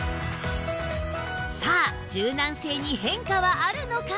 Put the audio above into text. さあ柔軟性に変化はあるのか！？